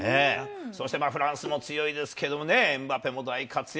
そしてフランスも強いですけれどね、エムバペも大活躍。